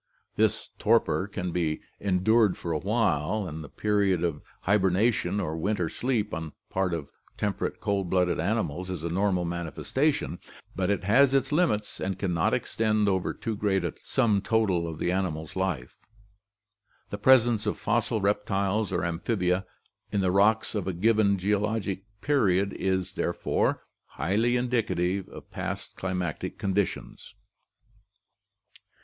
This torpor can be endured for a while and the period of hibernation or winter sleep on the part of temperate cold blooded animals is a normal manifestation, but it has its limits and can not extend over too great a sum total of the animal's life. The presence of fossil reptiles or amphibia in the rocks of a given geo logic period is, therefore, highly indicative of past climatic condi tions.